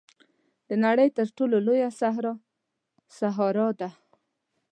د نړۍ تر ټولو لویه صحرا سهارا ده.